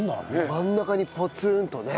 真ん中にポツンとね。